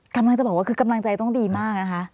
กำลังจะบอกว่าคือกำลังใจต้องดีมากนะคะ